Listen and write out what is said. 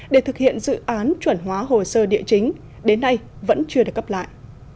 để thực hiện dự án chuẩn hóa hồ sơ địa chính đến nay vẫn chưa được cấp lại